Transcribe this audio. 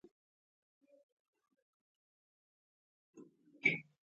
د ریحان شیره د څه لپاره وکاروم؟